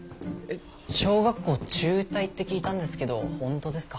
小学校中退って聞いたんですけど本当ですか？